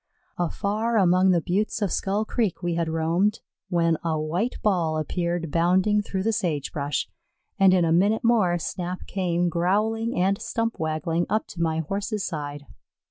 Afar among the buttes of Skull Creek we had roamed when a white ball appeared bounding through the sage brush, and in a minute more Snap came, growling and stump waggling, up to my Horse's side.